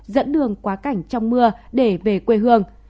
dẫn đường quá cảnh trong mưa để về quê hương